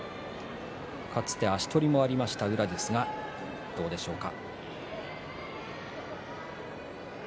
かつては足取りもありました宇良ですが、どうでしょうか。